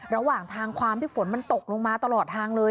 ระหว่างทางความที่ฝนมันตกลงมาตลอดทางเลย